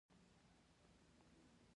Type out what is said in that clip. تر دې ځایه مو ولیدل چې انسان یوازې نه دی.